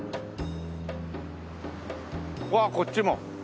わあこっちも！